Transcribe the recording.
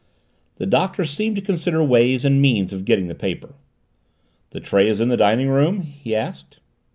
The Doctor seemed to consider ways and means of getting the paper. "The tray is in the dining room?" he asked.